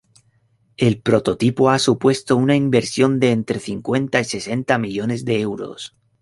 El prototipo ha supuesto una inversión de entre cincuenta y sesenta millones de euros.